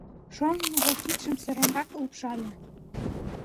— шоҥго кидшым сыренрак лупшале.